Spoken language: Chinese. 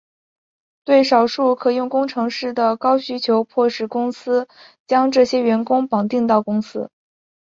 对少数可用工程师的高需求迫使公司将这些员工绑定到公司。